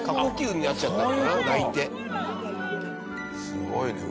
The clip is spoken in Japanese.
すごいね！